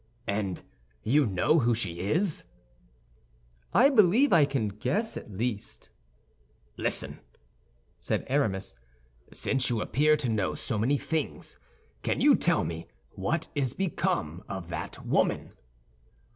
"And you know who she is?" "I believe I can guess, at least." "Listen!" said Aramis. "Since you appear to know so many things, can you tell me what is become of that woman?"